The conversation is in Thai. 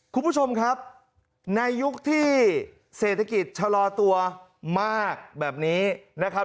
คุณผู้ชมครับในยุคที่เศรษฐกิจชะลอตัวมากแบบนี้นะครับ